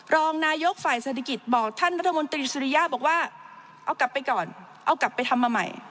รองนายกฝ่ายเศรษฐกิจบอกท่านรัฐมนตรีสุริยะบอกว่าเอากลับไปก่อนเอากลับไปทำมาใหม่